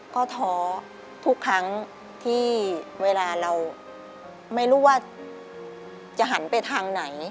ก็ท้อทุกครั้งที่เวลาเราไม่รู้ว่าจะหันไปทางไหน